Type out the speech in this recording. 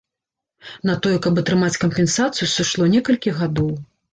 На тое, каб атрымаць кампенсацыю, сышло некалькі гадоў.